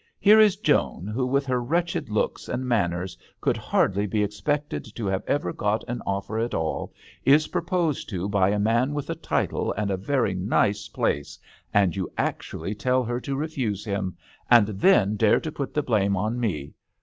Here is Joan, who, with her wretched looks and manners, could hardly be ex $S THE h6T£L D'ANGLETERRS. pected to have ever got an offer at ally is proposed to by a man with a title and a very nice place, and you actually tell her to re fuse him, and then dare to put the blame on me.